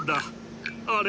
あれ？